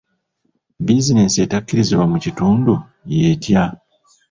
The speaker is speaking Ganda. Bizinensi etakkirizibwa mu kitundu y'etya?